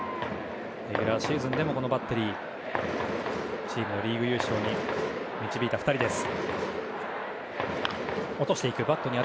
レギュラーシーズンでもこのバッテリーチームをリーグ優勝に導いた２人です。